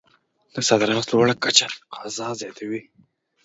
د صادراتو لوړه کچه تقاضا زیاتوي.